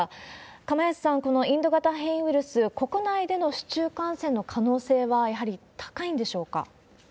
釜萢さん、このインド型変異ウイルス、国内での市中感染の可能性はやはり高いんでしょうか？